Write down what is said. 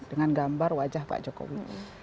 dengan gambar wajah pak jokowi